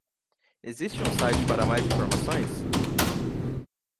Existe um site para mais informações?